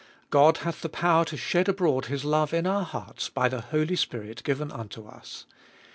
God hath the power to shed abroad His love in our hearts, by the Holy Spirit given unto us.